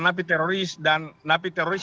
napi teroris dan napi teroris